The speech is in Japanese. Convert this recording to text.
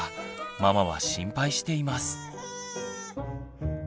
ママは心配しています。